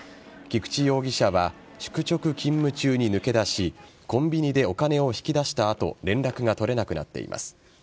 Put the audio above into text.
菊池容疑者は宿直勤務中に抜け出しコンビニでお金を引き出した後連絡が取れなくなっています。